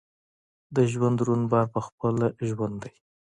د ژوند دروند بار پخپله ژوند دی.